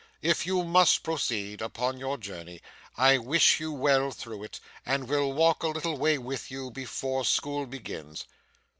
If you must proceed upon your journey, I wish you well through it, and will walk a little way with you before school begins.